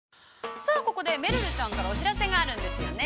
さあここで、めるるちゃんからお知らせがあるんですよね。